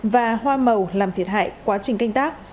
và hoa màu làm thiệt hại quá trình canh tác